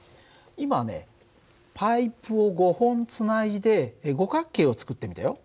今ねパイプを５本つないで五角形を作ってみたよ。